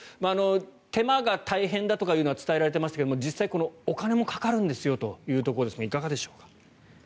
手間が大変だとかいうのは伝えられていましたけど実際に、お金もかかるんですよというところですがいかがでしょうか？